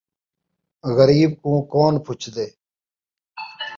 غریب کوں کون پچھدے